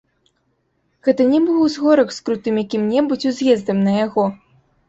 Гэта не быў узгорак з крутым якім-небудзь уз'ездам на яго.